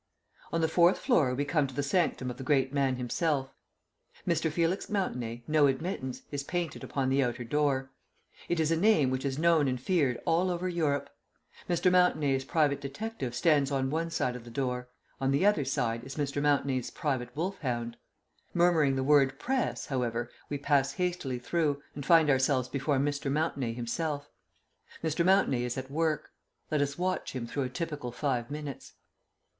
On the fourth floor we come to the sanctum of the great man himself. "Mr. Felix Mountenay No admittance," is painted upon the outer door. It is a name which is known and feared all over Europe. Mr. Mountenay's private detective stands on one side of the door; on the other side is Mr. Mountenay's private wolf hound. Murmuring the word "Press," however, we pass hastily through, and find ourselves before Mr. Mountenay himself. Mr. Mountenay is at work; let us watch him through a typical five minutes.